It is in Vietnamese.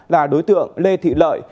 là đối tượng lê thị lợi